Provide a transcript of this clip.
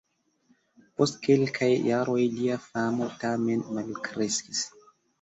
Post kelkaj jaroj lia famo tamen malkreskis.